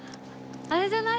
あれじゃない？